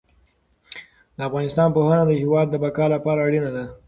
د افغانستان پوهنه د هېواد د بقا لپاره اړینه ده.